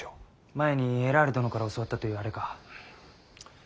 前にエラール殿から教わったというあれか。